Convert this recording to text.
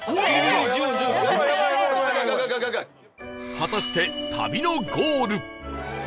果たして旅のゴール